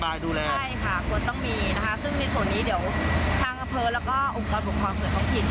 สาเหตุด้วงต้นนะคะเห็นว่าเป็นความร้อนที่เกิดในห้องสี